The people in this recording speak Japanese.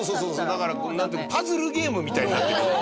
だからなんていうのパズルゲームみたいになってるね。